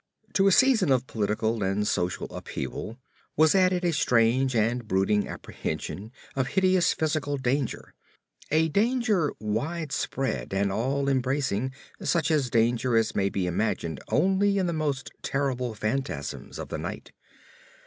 To a season of political and social upheaval was added a strange and brooding apprehension of hideous physical danger; a danger widespread and all embracing, such a danger as may be imagined only in the most terrible phantasms of the night.